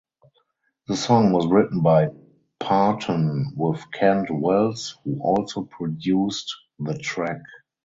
The song was written by Parton with Kent Wells who also produced the track.